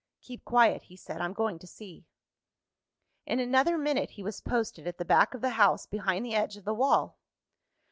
"Keep quiet," he said; "I'm going to see." In another minute he was posted at the back of the house, behind the edge of the wall.